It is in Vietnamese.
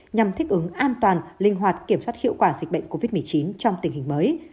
nhằm thích ứng an toàn linh hoạt kiểm soát hiệu quả dịch bệnh covid một mươi chín trong tình hình mới